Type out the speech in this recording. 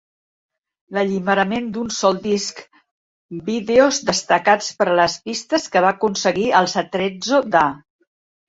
L'alliberament d'un sol disc vídeos destacats per a les pistes que va aconseguir els Atrezzo da?